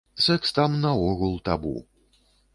Сэкс там наогул табу.